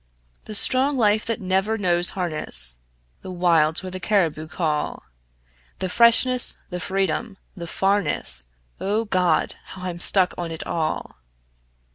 The strong life that never knows harness; The wilds where the caribou call; The freshness, the freedom, the farness O God! how I'm stuck on it all.